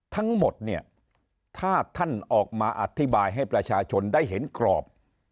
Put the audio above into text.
ทั้งหมดเนี่ยถ้าท่านออกมาอธิบายให้ประชาชนได้เห็นกรอบ